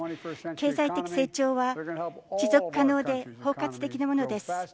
経済的成長は持続可能で包括的なものです。